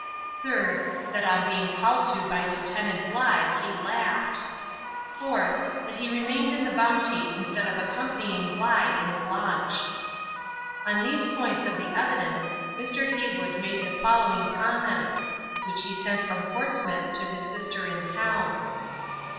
Third. That on being called to by Lieutenant Bligh, he laughed. Fourth. That he remained in the Bounty instead of accompanying Bligh in the launch. On these points of the evidence, Mr. Heywood made the following comments, which he sent from Portsmouth to his sister in town.